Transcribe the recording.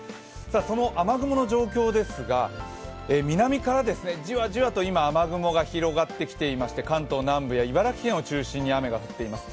その雨雲の状況ですが、南からジワジワと今、雨雲が広がってきていまして関東南部や茨城県を中心に雨が降っています。